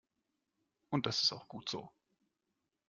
Und das ist auch gut so.